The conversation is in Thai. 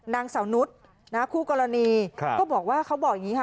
นางสาวนุษย์คู่กรณีก็บอกว่าเขาบอกอย่างนี้ค่ะ